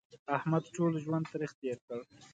احمد ټول ژوند تریخ تېر کړ.